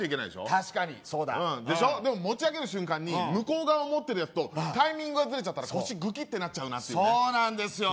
確かにそうだでしょでも持ち上げる瞬間に向こう側を持ってるやつとタイミングがずれちゃったら腰グキッてなっちゃうなっていうねそうなんですよ